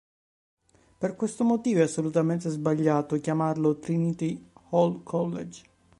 Per questo motivo è assolutamente sbagliato chiamarlo Trinity Hall College.